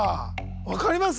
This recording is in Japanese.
分かります？